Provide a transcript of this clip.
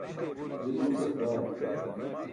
je duusas baa